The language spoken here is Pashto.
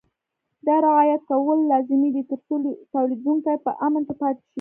دا رعایت کول لازمي دي ترڅو تولیدوونکي په امن کې پاتې شي.